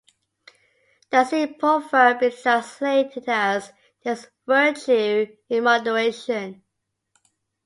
That same proverb is translated as "There is virtue in moderation".